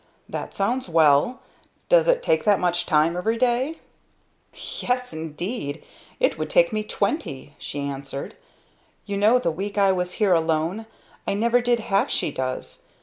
"That sounds well. Does it take that much time every day?" "Yes, indeed! It would take me twenty!" she answered. "You know the week I was here alone I never did half she does.